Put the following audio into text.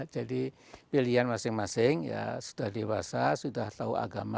jadi pilihan masing masing sudah dewasa sudah tahu agama